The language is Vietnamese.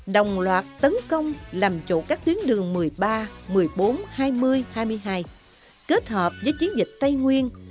đồng loạt tấn công làm chủ các tuyến đường một mươi ba một mươi bốn hai mươi hai mươi hai kết hợp với chiến dịch tây nguyên